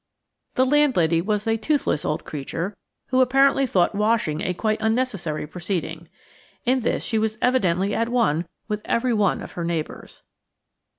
The landlady was a toothless old creature, who apparently thought washing a quite unnecessary proceeding. In this she was evidently at one with every one of her neighbours.